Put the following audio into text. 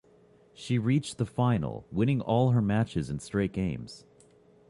She reached the final, winning all her matches in straight games.